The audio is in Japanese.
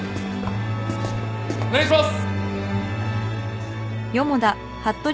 お願いします！